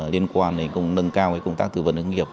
liên quan đến công tác tư vấn hướng nghiệp